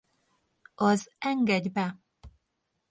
Az Engedj be!